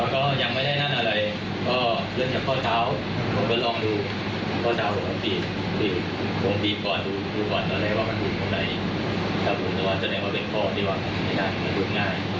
ตัดสินใจมากิน